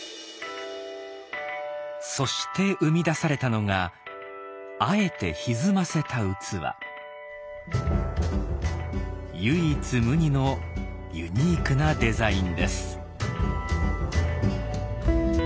そして生み出されたのがあえて唯一無二のユニークなデザインです。